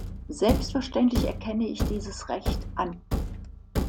Selbstverständlich erkenne ich dieses Recht an.